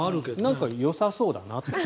なんかよさそうだなと。